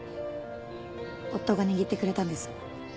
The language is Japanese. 夫が握ってくれたんです。